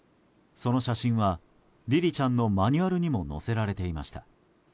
その写真はりりちゃんのマニュアルにも載せられていました。